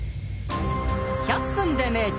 「１００分ｄｅ名著」